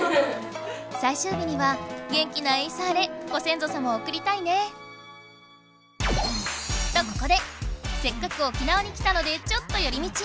最終日には元気なエイサーでご先祖様をおくりたいね。とここでせっかく沖縄に来たのでちょっとより道！